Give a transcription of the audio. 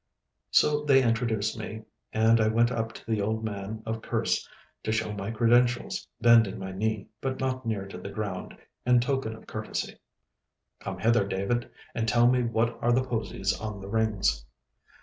So they introduced me, and I went up to the old man of Kerse to show my credentials, bending my knee, but not near to the ground, in token of courtesy. 'Come hither, David, and tell me what are the posies on the rings.